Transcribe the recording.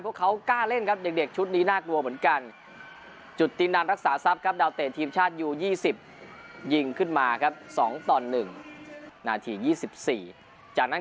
พวกเขากล้าเล่นครับเด็กชุดนี้น่ากลัวเหมือนกัน